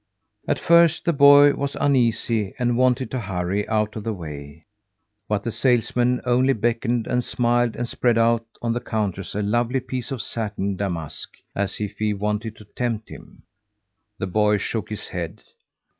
At first the boy was uneasy and wanted to hurry out of the way, but the salesman only beckoned and smiled, and spread out on the counter a lovely piece of satin damask as if he wanted to tempt him. The boy shook his head.